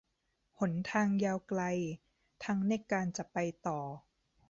หนทางยาวไกล ทั้งในการจะไปต่อ